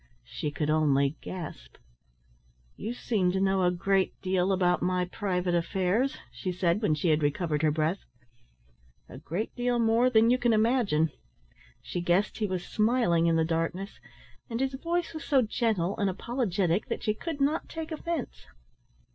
She could only gasp. "You seem to know a great deal about my private affairs," she said, when she had recovered her breath. "A great deal more than you can imagine." She guessed he was smiling in the darkness, and his voice was so gentle and apologetic that she could not take offence.